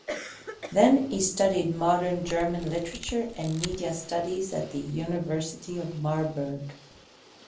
Then he studied "Modern German Literature" and Media Studies at the University of Marburg.